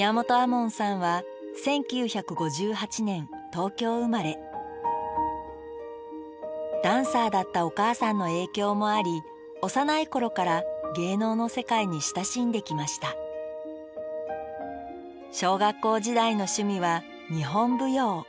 門さんは１９５８年東京生まれダンサーだったお母さんの影響もあり幼い頃から芸能の世界に親しんできました小学校時代の趣味は日本舞踊。